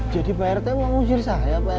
jadi pak rt memang usir saya pak rt